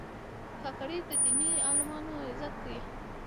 کاکړ د دیني عالمانو عزت کوي.